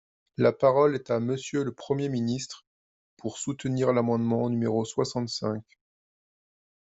La parole est à Monsieur le Premier ministre, pour soutenir l’amendement numéro soixante-cinq.